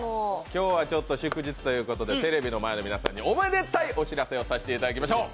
今日は祝日ということでテレビの前の皆さんにおめでたいお知らせをさせていただきましょう！